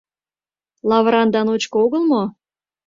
— Лавыран да ночко огыл мо?